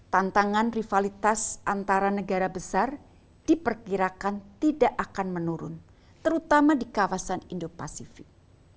tantangan rivalitas antara negara besar diperkirakan tidak akan menurun terutama di kawasan indo pasifik